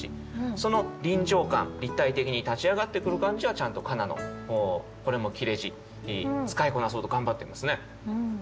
その臨場感立体的に立ち上がってくる感じはちゃんと「かな」のこれも切れ字使いこなそうと頑張っていますね。